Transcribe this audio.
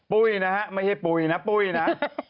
ปุ้ยนะฮะไม่ใช่ปุ๋ยนะปุ้ยนะ